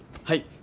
はい。